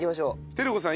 照子さん